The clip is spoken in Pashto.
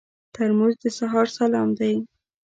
ترموز د سهار سلام دی.